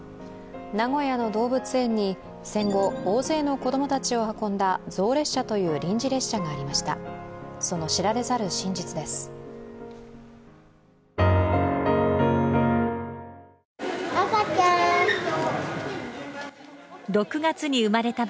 名古屋の動物園に戦後大勢の子供たちを運んだぞうれっしゃという臨時列車がありました。